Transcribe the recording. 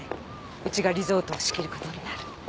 うちがリゾートを仕切ることになる。